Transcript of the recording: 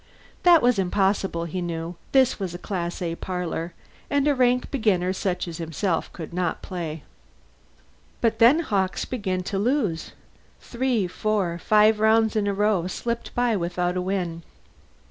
That was impossible, he knew; this was a Class A parlor, and a rank beginner such as himself could not play. But then Hawkes began to lose. Three, four, five rounds in a row slipped by without a win.